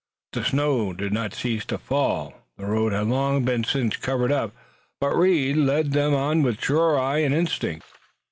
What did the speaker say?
The snow did not cease to fall. The road had long since been covered up, but Reed led them on with sure eye and instinct.